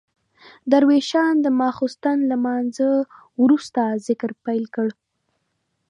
درویشان د ماخستن له لمانځه وروسته ذکر پیل کړ.